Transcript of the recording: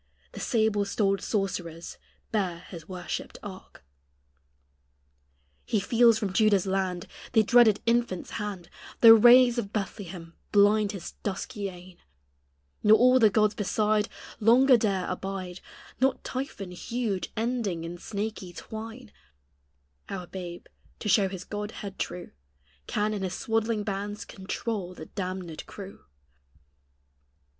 The sable stoled sorcerers bear his worshipped ark. He feels from Juda's land The dreaded infant's hand The rays of Bethlehem blind his dusky eyne; Nor all the gods beside Longer dare abide Not Typhon huge, ending in snaky twine; Our babe, to show His God head true, Can in His swaddling bands control the damnèd crew.